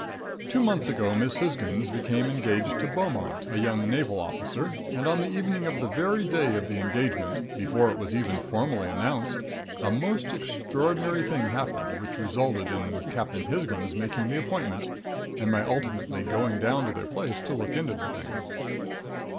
"Two months ago Miss Hisgins became engaged to Beaumont, a young Naval Officer, and on the evening of the very day of the engagement, before it was even formally announced, a most extraordinary thing happened which resulted in Captain Hisgins making the appointment and my ultimately going down to their place to look into the thing.